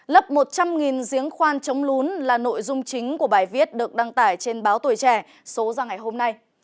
lập một trăm linh giếng khoan chống lún là nội dung chính của bài viết được đăng tải trên báo tuổi trẻ số ra ngày hôm nay